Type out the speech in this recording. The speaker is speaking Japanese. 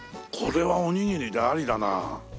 これはおにぎりでありだな。